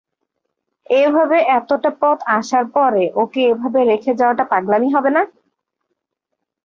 এভাবে এতোটা পথ আসার পর ওকে এভাবে রেখে যাওয়াটা পাগলামো হবে না?